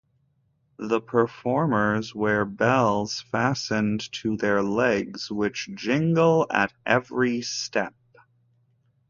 The performers wear bells fastened to their legs which jingle at every step.